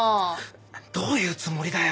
どういうつもりだよ？